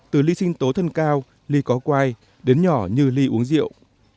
từ ly sinh tố thân cao ly có quai đến nhỏ như ly uống rượu